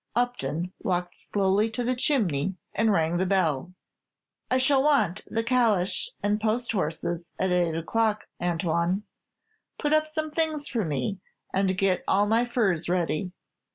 Upton walked slowly to the chimney and rang the bell. "I shall want the calèche and post horses at eight o'clock, Antoine. Put up some things for me, and get all my furs ready."